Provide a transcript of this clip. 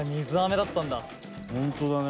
ホントだね。